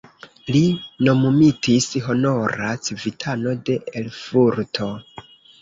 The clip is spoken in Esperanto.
Li nomumitis honora civitano de Erfurto.